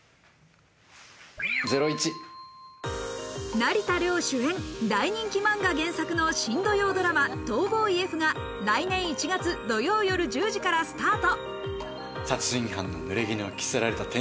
成田凌主演、大人気漫画原作の新土曜ドラマ『逃亡医Ｆ』が来年１月、土曜夜１０時からスタート。